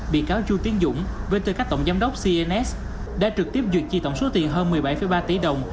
bị cáo chu tiến dũng bên tư cách tổng giám đốc cns đã trực tiếp duyệt chi tổng số tiền hơn một mươi bảy ba tỷ đồng